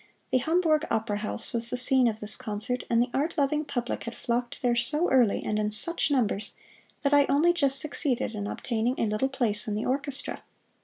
The Hamburg Opera House was the scene of this concert, and the art loving public had flocked there so early, and in such numbers, that I only just succeeded in obtaining a little place in the orchestra.